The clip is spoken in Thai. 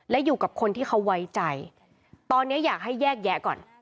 และอยู่กับคนที่เขาไว้ใจตอนนี้อยากให้แยกแยะก่อน